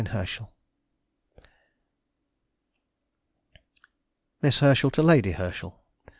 HERSCHEL. MISS HERSCHEL TO LADY HERSCHEL.